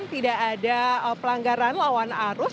tidak ada pelanggaran lawan arus